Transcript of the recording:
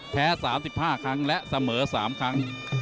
แพ้๓๕ครั้งและเสมอ๓ครั้ง